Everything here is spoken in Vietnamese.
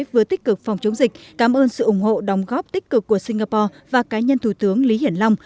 vừa tích cực phòng chống dịch cảm ơn sự ủng hộ đồng góp tích cực của singapore và cá nhân thủ tướng lý hiển long